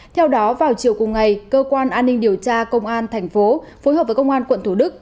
theo đó vào chiều cùng ngày cơ quan an ninh điều tra công an thành phố phối hợp với công an quận thủ đức